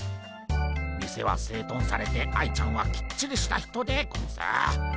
店は整頓されて愛ちゃんはきっちりした人でゴンス。